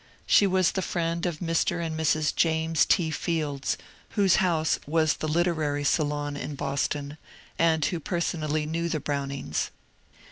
She was the friend of Mr. and Mrs. James T. Fields, whose house was the literary acUon in Boston, and who personally knew the Brownings.